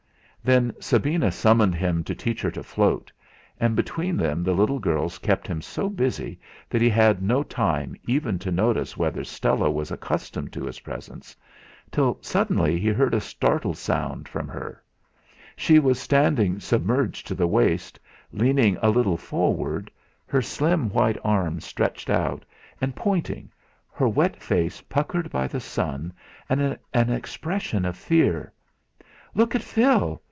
Then Sabina summoned him to teach her to float, and between them the little girls kept him so busy that he had no time even to notice whether Stella was accustomed to his presence, till suddenly he heard a startled sound from her: She was standing submerged to the waist, leaning a little forward, her slim white arms stretched out and pointing, her wet face puckered by the sun and an expression of fear. "Look at Phil!